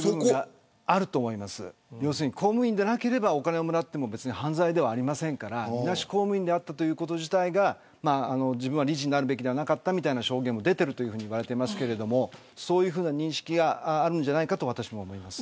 公務員でなければお金をもらっても犯罪ではありませんからみなし公務員であったということ自体が自分は理事になるべきではなかったという証言も出ているといわれてますけどそういう認識があると思います。